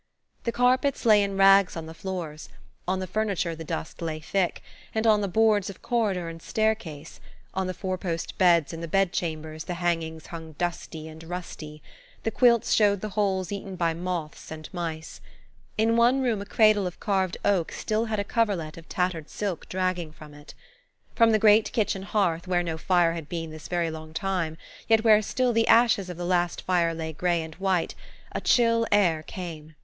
The carpets lay in rags on the floors; on the furniture the dust lay thick, and on the boards of corridor and staircase; on the four post beds in the bedchambers the hangings hung dusty and rusty–the quilts showed the holes eaten by moths and mice. In one room a cradle of carved oak still had a coverlet of tattered silk dragging from it. From the great kitchen hearth, where no fire had been this very long time, yet where still the ashes of the last fire lay grey and white, a chill air came.